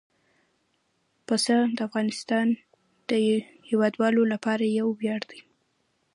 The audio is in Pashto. پسه د افغانستان د هیوادوالو لپاره یو ویاړ دی.